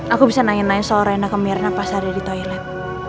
aku bisa nanya nanya soal rena ke mirna pas ada di toilet